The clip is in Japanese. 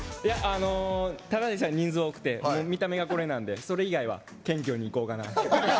ただでさえ人数が多くて見た目がこれなので、それ以外は謙虚にいこうかなと。